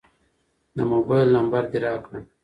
د موبایل نمبر دې راکړه.